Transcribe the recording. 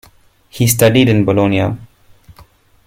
He studied in Bologna.